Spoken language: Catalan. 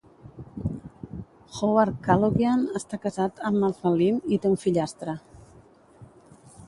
Howard Kaloogian està casat amb Martha Lynn i té un fillastre.